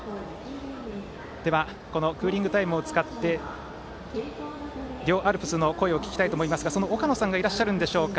このクーリングタイムを使って両アルプスの声を聞きたいと思いますがその岡野さんがいらっしゃるんでしょうか。